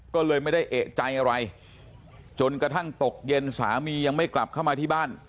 ก็เลยไม่ได้เอกใจอะไรจนกระทั่งตกเย็นสามียังไม่กลับเข้ามาที่บ้าน